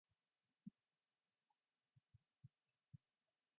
The track was upgraded weeks later, and resurfaced in blue.